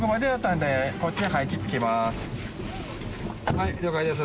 はい了解です。